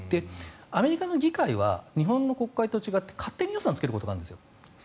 アメリカの議会は日本の国会と違って勝手に予算をつけることがあるんですよ。